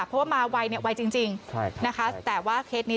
เพราะว่ามาไวเนี่ยไวจริงนะคะแต่ว่าเคสนี้